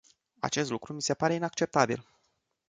Acest lucru mi se pare inacceptabil.